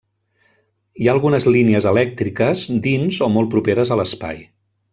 Hi ha algunes línies elèctriques dins o molt properes a l’espai.